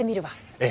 ええ。